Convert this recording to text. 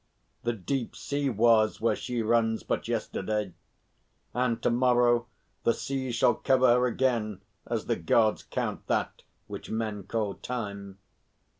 The deep sea was where she runs but yesterday, and to morrow the sea shall cover her again as the Gods count that which men call time.